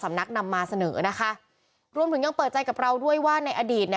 นักนำมาเสนอนะคะรวมถึงยังเปิดใจกับเราด้วยว่าในอดีต